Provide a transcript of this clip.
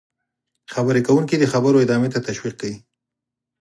-خبرې کوونکی د خبرو ادامې ته تشویق کړئ: